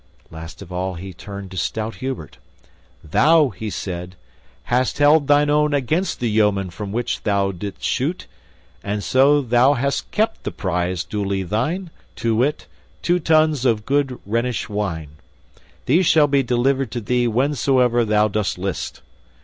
Last of all he turned to stout Hubert. "Thou," said he, "hast held thine own against the yeomen with whom thou didst shoot, and so thou hast kept the prize duly thine, to wit, two tuns of good Rhenish wine. These shall be delivered to thee whensoever thou dost list."